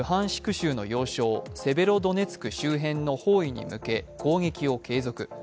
州の要衝セベロドネツク周辺の包囲に向け攻撃を継続。